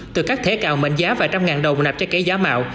từ các thẻ cào mạnh giá vài trăm ngàn đồng nạp trái cây giá mạo